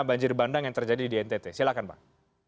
banjir bandang yang terjadi di ntt silakan bang